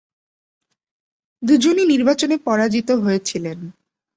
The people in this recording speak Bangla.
দুজনই নির্বাচনে পরাজিত হয়েছিলেন।